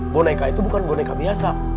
boneka itu bukan boneka biasa